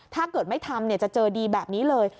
ถ้าเกิดไม่ทำจะเจอดีแบบนี้เลย